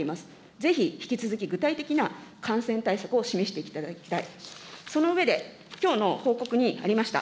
ぜひ引き続き、具体的な感染対策を示していただきたい、その上で、きょうの報告にありました。